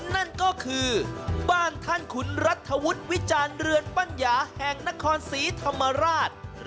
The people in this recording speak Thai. นั่นก็คือบ้านท่านขุนรัฐวุฒิวิจารณ์เรือนปัญญาแห่งนครศรีธรรมราช